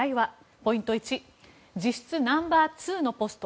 ポイント１実質ナンバー２のポスト。